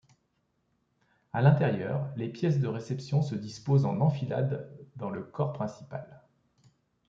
À l'intérieur, les pièces de réception se disposent en enfilade dans le corps principal.